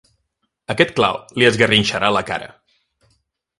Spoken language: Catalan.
Aquest clau li esgarrinxarà la cara.